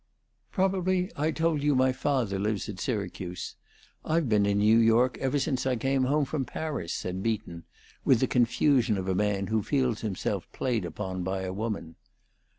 "Probably I told you my father lived at Syracuse. I've been in New York ever since I came home from Paris," said Beaton, with the confusion of a man who feels himself played upon by a woman.